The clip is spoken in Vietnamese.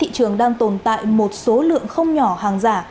thị trường đang tồn tại một số lượng không nhỏ hàng giả